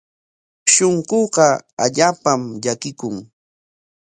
Shunquuqa allaapam llakikun.